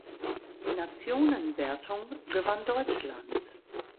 Die Nationenwertung gewann Deutschland.